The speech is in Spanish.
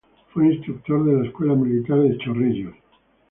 Fue instructor de la Escuela Militar de Chorrillos.